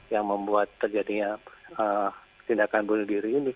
yang membuat terjadinya tindakan bunuh diri ini